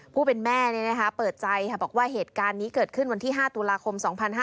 ผู้เป็นแม่เปิดใจบอกว่าเหตุการณ์นี้เกิดขึ้นวันที่๕ตุลาคม๒๕๕๙